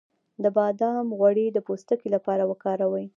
د بادام غوړي د پوستکي لپاره وکاروئ